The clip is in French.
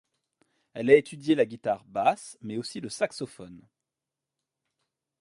Elle a étudié la guitare basse, mais aussi le saxophone.